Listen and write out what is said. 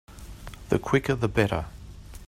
The quicker the better.